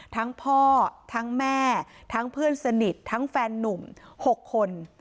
ทั้งพ่อทั้งแม่ทั้งเพื่อนสนิททั้งแฟนนุ่ม๖คน